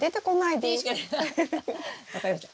分かりました。